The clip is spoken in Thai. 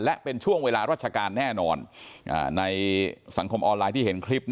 และเป็นช่วงเวลาราชการแน่นอนในสังคมออนไลน์ที่เห็นคลิป